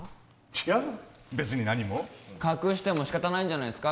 いや別に何も隠しても仕方ないんじゃないですか